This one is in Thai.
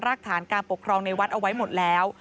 รากฐานการปกครองในวัดเอาไว้หมดแล้ว